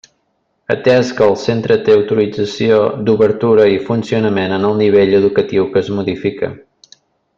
Atès que el centre té autorització d'obertura i funcionament en el nivell educatiu que es modifica.